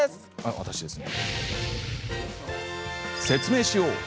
説明しよう！